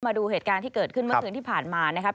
มาดูเหตุการณ์ที่เกิดขึ้นเมื่อคืนที่ผ่านมานะครับ